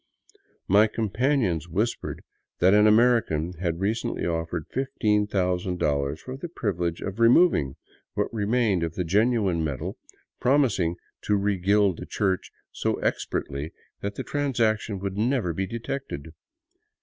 My companions whispered that an American had re cently offered $15,000 for the privilege of removing what remained of the genuine metal, promising to regild the church so expertly that the transaction would never be detected.